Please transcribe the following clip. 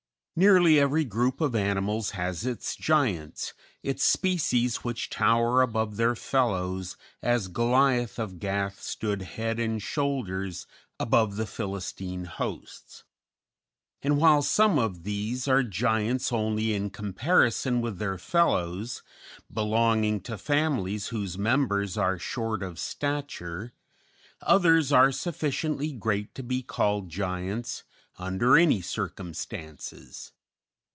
"_ Nearly every group of animals has its giants, its species which tower above their fellows as Goliath of Gath stood head and shoulders above the Philistine hosts; and while some of these are giants only in comparison with their fellows, belonging to families whose members are short of stature, others are sufficiently great to be called giants under any circumstances.